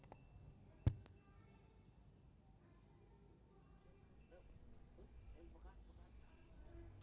และช่วยสร้างสมัครอาณาจิตภาวนา